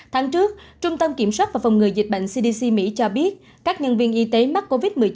tháng trước trung tâm kiểm soát và phòng ngừa dịch bệnh cdc mỹ cho biết các nhân viên y tế mắc covid một mươi chín